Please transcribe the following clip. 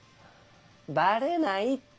バレないって。